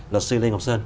luật sư lê ngọc sơn